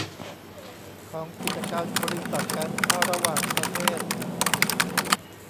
ของกิจการบริษัทการค้าระหว่างประเทศ